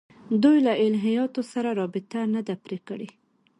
دوی له الهیاتو سره رابطه نه ده پرې کړې.